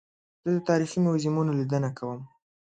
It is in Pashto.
زه د تاریخي موزیمونو لیدنه کوم.